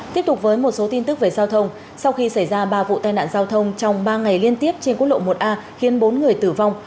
tiếp tục với một số tin tức về giao thông sau khi xảy ra ba vụ tai nạn giao thông trong ba ngày liên tiếp trên quốc lộ một a khiến bốn người tử vong